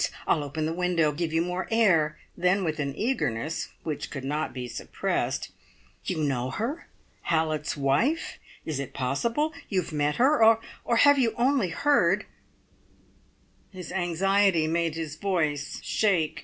I'll open the window give you more air." Then with an eagerness which could not be suppressed, "You know her? Hallett's wife? Is it possible? You have met her; or have you only heard " His anxiety made his voice shake.